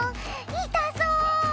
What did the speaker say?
いたそう。